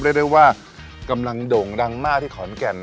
เรียกได้ว่ากำลังโด่งดังมากที่ขอนแก่น